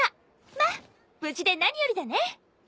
まっ無事で何よりだね。